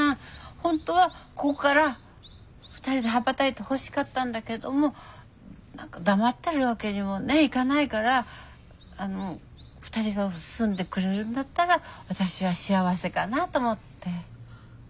本当はこっから２人で羽ばたいてほしかったんだけども何か黙ってるわけにもねいかないからあの２人が住んでくれるんだったら私は幸せかなぁと思って。